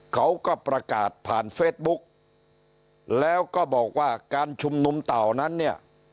เขาก็ประกาศผ่านเฟซบุ๊กแล้วก็บอกว่าการชุมนุมเต่านั้นเนี่ย